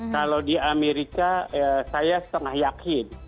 kalau di amerika saya setengah yakin